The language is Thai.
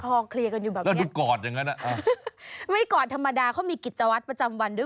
คอเคลียร์กันอยู่แบบนี้ไม่กอดธรรมดาเขามีกิจวัตรประจำวันด้วย